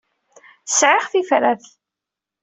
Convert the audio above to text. Sɛiɣ tifrat.